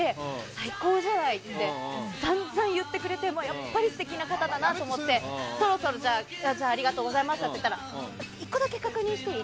最高じゃないってさんざん言ってくれてやっぱり素敵な方だなと思ってそろそろありがとうございましたと言ったら１個だけ確認していい？